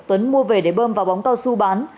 ôm vào bóng cao su bán